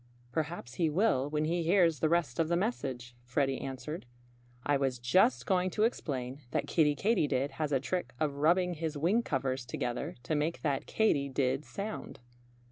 "Perhaps he will when he hears the rest of the message," Freddie answered. "I was just going to explain that Kiddie Katydid has a trick of rubbing his wing covers together to make that Katy did sound."